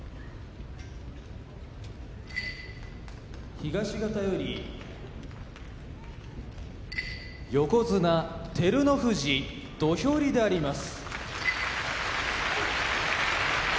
東方より横綱照ノ富士土俵入りであります。